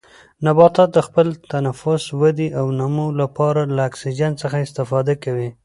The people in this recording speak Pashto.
نباتات د خپل تنفس، ودې او نمو لپاره له اکسیجن څخه استفاده کوي.